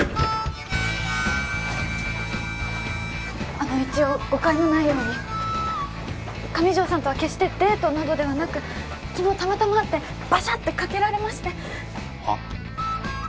あの一応誤解のないように上条さんとは決してデートなどではなく昨日たまたま会ってバシャッてかけられましてはっ？